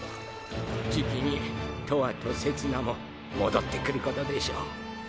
じきにとわとせつなも戻ってくることでしょう。